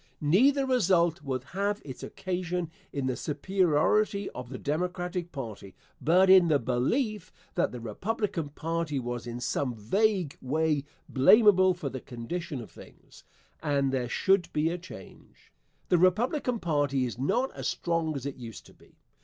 Neither result would have its occasion in the superiority of the Democratic party, but in the belief that the Republican party was in some vague way blamable for the condition of things, and there should be a change. The Republican party is not as strong as it used to be.